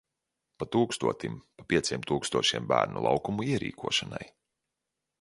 Pa tūkstotim, pa pieciem tūkstošiem bērnu laukumu ierīkošanai.